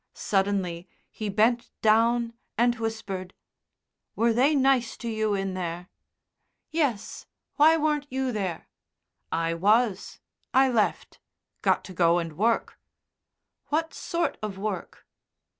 Suddenly he bent down and whispered: "Were they nice to you in there?" "Yes. Why weren't you there?" "I was. I left. Got to go and work." "What sort of work?"